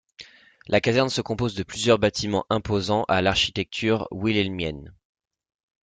La caserne se compose de plusieurs bâtiments imposants à l’architecture Wilhelmienne.